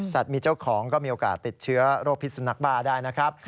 มีเจ้าของก็มีโอกาสติดเชื้อโรคพิษสุนักบ้าได้นะครับ